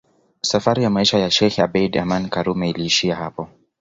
Safari ya maisha ya sheikh Abeid Aman Karume iliishia hapo